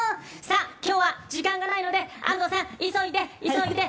今日は時間がないので安藤さん、急いで、急いで！